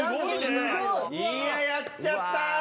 いややっちゃった！